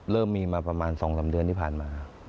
เริ่มมีมาประมาณ๒๓เดือนที่ผ่านมา